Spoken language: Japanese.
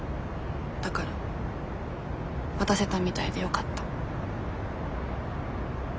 だから渡せたみたいでよかった。